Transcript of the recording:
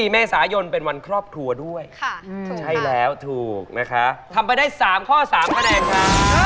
๔เมษายนเป็นวันครอบครัวด้วยใช่แล้วถูกนะคะทำไปได้๓ข้อ๓คะแนนครับ